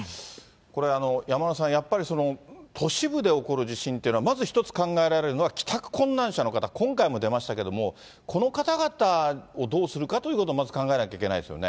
これ、山村さん、都市部で起こる地震っていうのはまず一つ考えられるのは、帰宅困難者の方、今回も出ましたけれども、この方々をどうするかということをまず考えなきゃいけないですよ